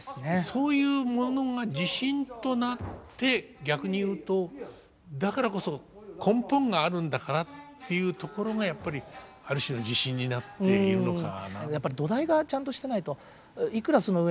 そういうものが自信となって逆に言うとだからこそ根本があるんだからっていうところがやっぱりある種の自信になっているのかな。